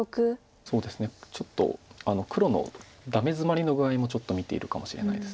そうですねちょっと黒のダメヅマリの具合も見ているかもしれないです。